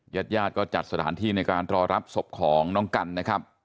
ยัดยาดก็จัดสถานที่ในการรอรับทรพย์ของน้องกัลนะครับ